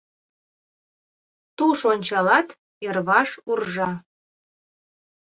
Туш ончалат Йырваш уржа